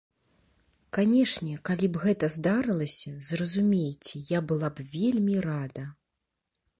Канешне, калі б гэта здарылася, зразумейце, я была б вельмі рада.